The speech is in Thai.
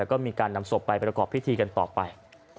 แล้วก็มีการนำศพไปประกอบพิธีกันต่อไป